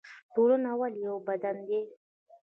ټولنه ولې یو بدن دی؟